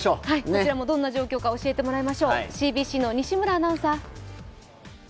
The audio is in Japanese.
こちらもどんな状況かを教えてもらいましょう、ＣＢＣの西村アナウンサー。